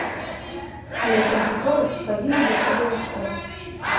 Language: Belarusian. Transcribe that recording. Але прынцыповасць павінна быць абавязкова.